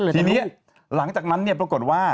ทีนี้หลังจากนั้นปรากฏว่า